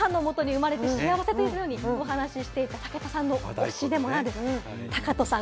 そして、母のもとに生まれて幸せというふうにお話していた武田さんの推しでもあるタカトさん。